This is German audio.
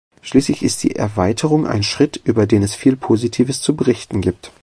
Schließlich ist die Erweiterung ein Schritt, über den es viel Positives zu berichten gibt.